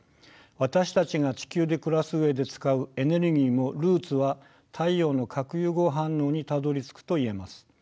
私たちが地球で暮らす上で使うエネルギーのルーツは太陽の核融合反応にたどりつくといえます。